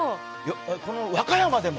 和歌山でも。